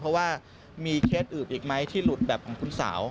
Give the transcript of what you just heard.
เพราะว่ามีเคสอื่นอีกไหมที่หลุดแบบของคุณสาว